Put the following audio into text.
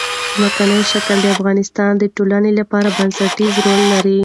ځمکنی شکل د افغانستان د ټولنې لپاره بنسټيز رول لري.